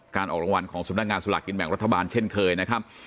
ออกรางวัลของสำนักงานสลากกินแบ่งรัฐบาลเช่นเคยนะครับ